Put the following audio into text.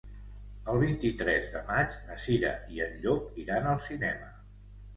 El vint-i-tres de maig na Cira i en Llop iran al cinema.